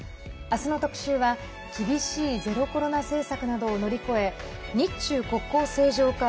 明日の特集は厳しいゼロコロナ政策などを乗り越え日中国交正常化